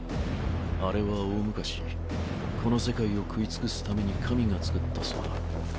あれは大昔この世界を食い尽くすために神が作ったそうだ。